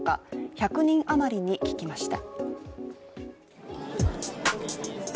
１００人余りに聞きました。